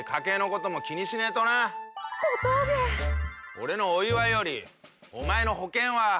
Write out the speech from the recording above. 俺のお祝いよりお前の保険は？